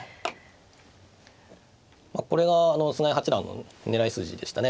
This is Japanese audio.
これが菅井八段の狙い筋でしたね。